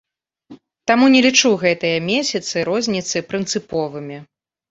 Таму не лічу гэтыя месяцы розніцы прынцыповымі.